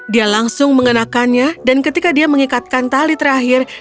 dia langsung mengenakannya dan ketika dia mengikatkan tali terakhir